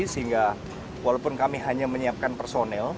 sehingga walaupun kami hanya menyiapkan personel